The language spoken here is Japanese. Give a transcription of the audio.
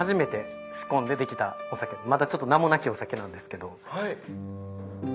まだちょっと名もなきお酒なんですけど。